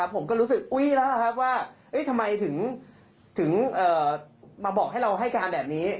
ผมก็รู้สึกอุ้ยแล้วครับว่าทำไมถึงมาบอกให้เราให้การแบบนี้